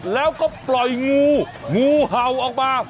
แล้วก็ปล่อยงูงูเห่าออกมา